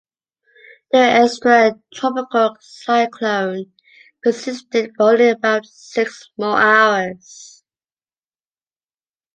The extratropical cyclone persisted for only about six more hours.